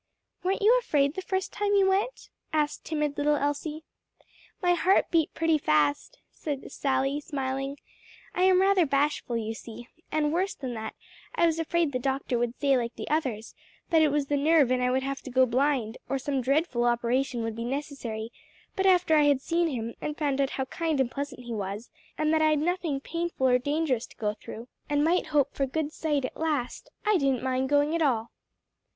"Weren't you afraid the first time you went?" asked timid little Elsie. "My heart beat pretty fast," said Sally smiling. "I am rather bashful you see, and worse than that, I was afraid the doctor would say like the others, that it was the nerve and I would have to go blind, or that some dreadful operation would be necessary; but after I had seen him and found out how kind and pleasant he was, and that I'd nothing painful or dangerous to go through, and might hope for good sight at last, I didn't mind going at all.